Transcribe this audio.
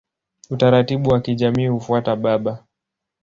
Utaratibu wa kijamii hufuata baba.